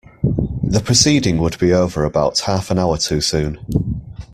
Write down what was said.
The proceeding would be over about half an hour too soon.